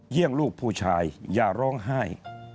ลูกผู้ชายอย่าร้องไห้